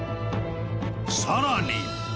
［さらに］